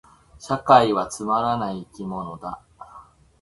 社会人はつまらない生き物だ